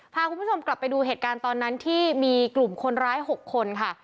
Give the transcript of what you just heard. พาคุณผู้ชมกลับไปดูเหตุการณ์ตอนนั้นที่มีกลุ่มคนร้าย๖คนค่ะ